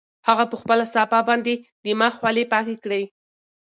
هغه په خپله صافه باندې د مخ خولې پاکې کړې.